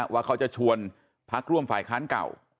ว่าเขาจะชวนพักร่วมฝ่ายค้านเก่า